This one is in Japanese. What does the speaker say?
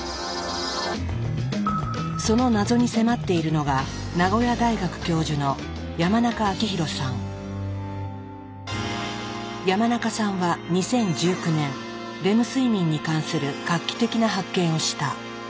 その謎に迫っているのが山中さんは２０１９年レム睡眠に関する画期的な発見をした。